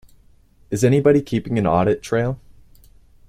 Is anybody keeping an audit trail?